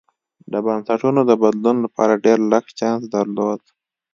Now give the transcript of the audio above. د بنسټونو د بدلون لپاره ډېر لږ چانس درلود.